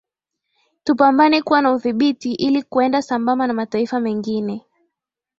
Tupambane kuwa na udhibiti ili kuenda sambamba na mataifa mengine